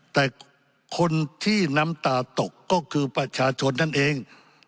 แต่คนที่น้ำตาตกก็คือประชาชนนั่นเอง